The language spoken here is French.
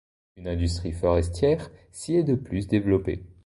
Une industrie forestière s'y est de plus développée.